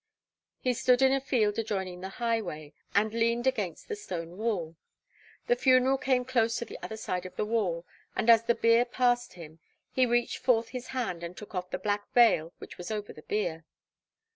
He stood in a field adjoining the highway, and leaned against the stone wall. The funeral came close to the other side of the wall, and as the bier passed him he reached forth his hand and took off the black veil which was over the bier.